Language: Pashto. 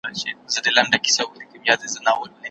استاد زما د مقالي ډېري برخي سمي کړي دي.